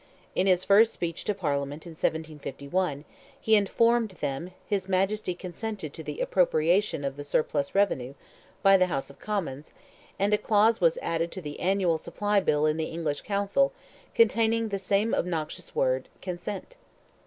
In his first speech to Parliament in 1751, he informed them his Majesty "consented" to the appropriation of the surplus revenue, by the House of Commons, and a clause was added to the annual supply bill in the English Council, containing the same obnoxious word, "consent."